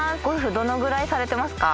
どのくらいされてますか？